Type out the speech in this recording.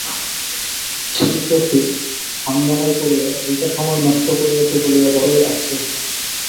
থিওসফির হাঙ্গামায় পড়িয়া বৃথা সময় নষ্ট করিয়াছে বলিয়া বড়ই আপসোস।